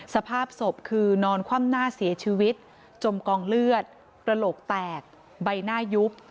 สภาพศพคือนอนคว่ำหน้าเสียชีวิตจมกองเลือดกระโหลกแตกใบหน้ายุบ